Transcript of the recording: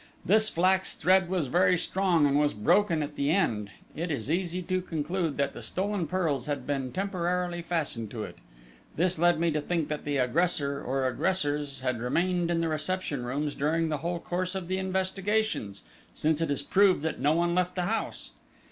This flax thread was very strong, and was broken at the end: it is easy to conclude that the stolen pearls had been temporarily fastened to it. This led me to think that the aggressor, or aggressors, had remained in the reception rooms during the whole course of the investigations, since it is proved that no one left the house....